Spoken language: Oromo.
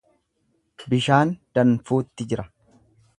Bishaan danfuutti jira.